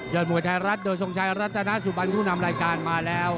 เยือร์หมวยแทนรัทโดยสงชายรัตนทรัศนาสูบบันกุนำรายการมาแล้ว